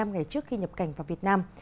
một mươi ngày trước khi nhập cảnh vào việt nam